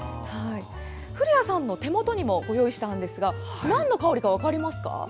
古谷さんの手元にもご用意したんですがなんの香りか分かりますか？